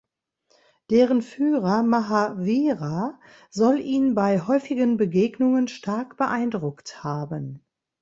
Deren Führer Mahavira soll ihn bei häufigen Begegnungen stark beeindruckt haben.